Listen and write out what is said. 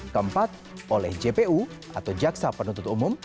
keempat oleh jpu atau jaksa penuntut umum